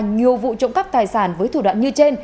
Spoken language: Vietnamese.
nhiều vụ trộm cắp tài sản với thủ đoạn như trên